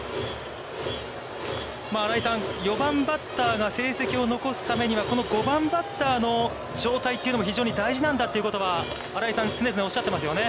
新井さん、４番バッターが成績を残すためには、この５番バッターの状態というのも非常に大事なんだということは新井さん、常々おっしゃってますよね。